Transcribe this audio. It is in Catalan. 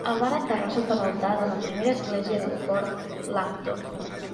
El van enterrar sota l'altar de la primera església de Port Lambton.